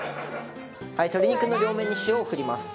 はい鶏肉の両面に塩を振ります。